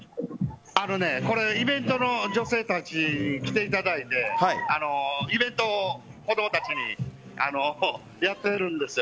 イベントの女性たちに来ていただいてイベントを子供たちにやっているんです。